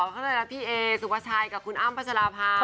อ๋อข้างในลักษณ์พี่เอสุภาชัยกับคุณอ้ำปัชราภา